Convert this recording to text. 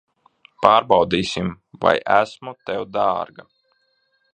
Pārbaudīsim, vai esmu tev dārga.